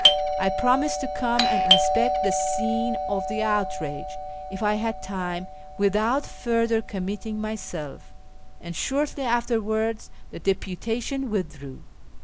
I promised to come and inspect the scene of the outrage, if I had time, without further committing myself; and shortly afterwards the deputation withdrew.